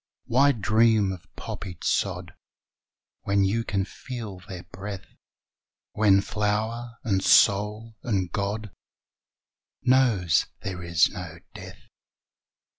Why dream of poppied sod When you can feel their breath, When flow'r and soul and God Knows there is no death!